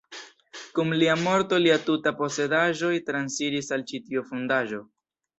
Kun lia morto lia tuta posedaĵoj transiris al ĉi tiu fondaĵo.